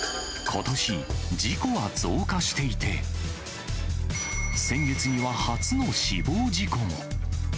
ことし、事故は増加していて、先月には初の死亡事故も。